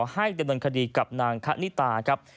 ให้ดำเนินคดีกับนางคณิตาครับ